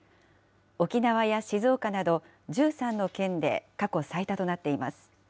沖縄や静岡など１３の県で過去最多となっています。